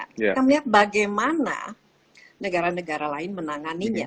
kita melihat bagaimana negara negara lain menanganinya